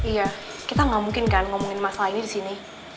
ya kita tidak mungkin kan mengomongkan masalah ini di sini